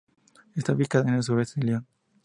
Está ubicada en el suroeste de Lyon.